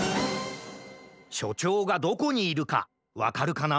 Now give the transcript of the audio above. しょちょうがどこにいるかわかるかな？